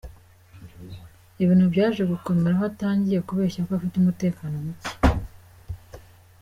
Ibintu byaje gukomera aho atangiye kubeshya ko afite umutekano mucye.